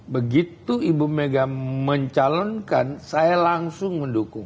begitu ibu mega mencalonkan saya langsung mendukung